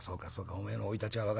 おめえの生い立ちは分かったよ。